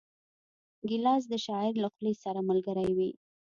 ګیلاس د شاعر له خولې سره ملګری وي.